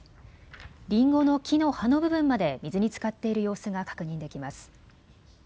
りんごの木の葉の部分まで水につかっている様子が確認できます。